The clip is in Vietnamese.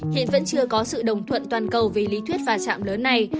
hiện vẫn chưa có sự đồng thuận toàn cầu về lý thuyết và chạm lớn này